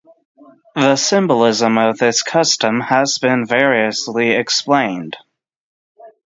The symbolism of this custom has been variously explained.